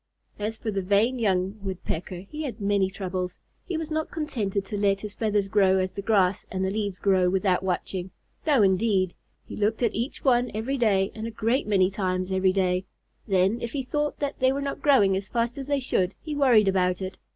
As for the vain young Woodpecker, he had many troubles. He was not contented to let his feathers grow as the grass and the leaves grow, without watching. No indeed! He looked at each one every day and a great many times every day. Then, if he thought they were not growing as fast as they should, he worried about it.